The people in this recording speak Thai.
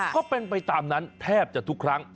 ก็เป็นไปตามนั้นแทบจะทุกครั้ง